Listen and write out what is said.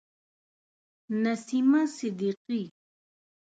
نسیمه صدیقی